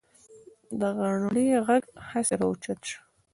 د غنړې غږ هسې اوچت شو.